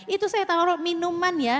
itu saya taruh minuman ya